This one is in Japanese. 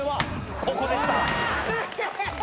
ここでした。